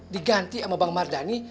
diganti sama bang mardhani